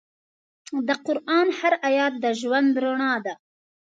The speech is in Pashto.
د قرآن هر آیت د ژوند رڼا ده.